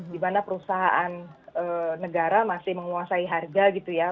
di mana perusahaan negara masih menguasai harga gitu ya